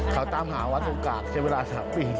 เขาตามหาวัดศูนย์กราบเช่นเวลา๓ปี